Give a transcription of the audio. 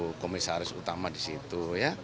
atau komisaris utama disitu